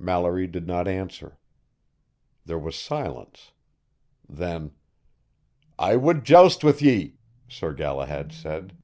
Mallory did not answer. There was silence. Then, "I would joust with ye," Sir Galahad said.